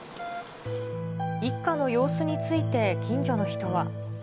一家の様子について、近所の人は。